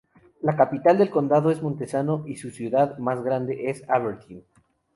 La capital del condado es Montesano, y su ciudad más grande es Aberdeen.